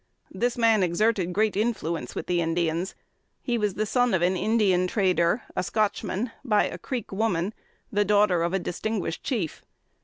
This man exerted great influence with the Indians. He was the son of an Indian trader, a Scotchman, by a Creek woman, the daughter of a distinguished chief.